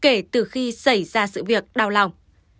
cô bé chia sẻ kể từ khi xảy ra sự việc đau lòng